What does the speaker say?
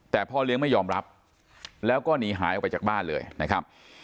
แต่พ่อเลี้ยงไม่ยอมรับแล้วก็หนีหายออกไปจากบ้านเลยนะครับ